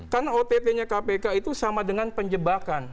karena ott nya kpk itu sama dengan penjebakan